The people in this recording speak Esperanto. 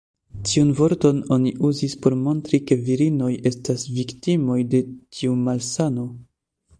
Tiun vorton oni uzis por montri ke virinoj estas la viktimoj de tiu malsano.